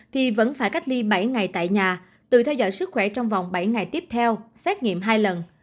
thì vẫn phải cách ly bảy ngày tại nhà tự theo dõi sức khỏe trong vòng bảy ngày tiếp theo xét nghiệm hai lần